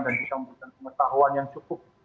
bisa memberikan pengetahuan yang cukup